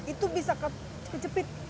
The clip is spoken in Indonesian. itu bisa kejepit